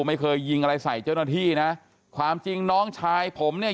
ไม่เคยยิงอะไรใส่เจ้าหน้าที่นะความจริงน้องชายผมเนี่ย